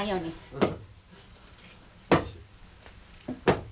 うん。